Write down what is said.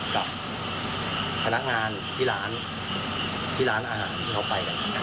กับพนักงานที่ร้านที่ร้านอาหารที่เขาไปกัน